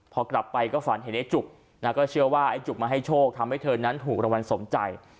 พอกลับไปก็ฝันเห็นไอ้จุกนะก็เชื่อว่าไอ้จุกมาให้โชคทำให้เธอนั้นถูกรางวัลสมใจ